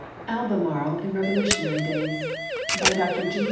ALBEMARLE IN REVOLUTIONARY DAYS By Dr G.